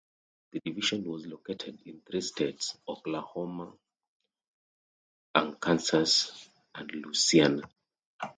The division was located in three states, Oklahoma, Arkansas, and Louisiana.